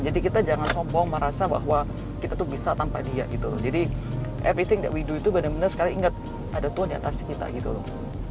jadi kita jangan sombong merasa bahwa kita tuh bisa tanpa dia gitu loh jadi everything that we do itu benar benar sekali ingat ada tuhan di atas kita gitu loh